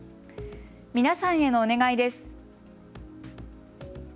皆さんへのお願いです。